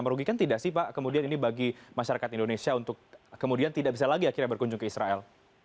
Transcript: merugikan tidak sih pak kemudian ini bagi masyarakat indonesia untuk kemudian tidak bisa lagi akhirnya berkunjung ke israel